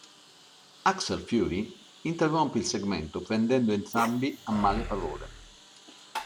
Axel Fury interrompe il segmento prendendo entrambi a male parole.